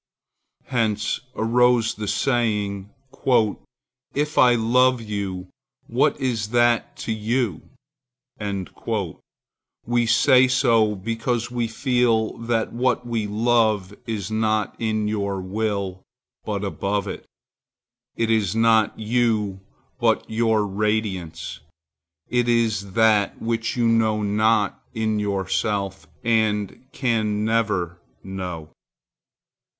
Hence arose the saying, "If I love you, what is that to you?" We say so because we feel that what we love is not in your will, but above it. It is not you, but your radiance. It is that which you know not in yourself and can never know.